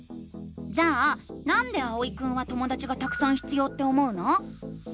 じゃあ「なんで」あおいくんはともだちがたくさん必要って思うの？